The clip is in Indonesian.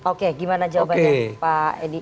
oke gimana jawabannya pak edi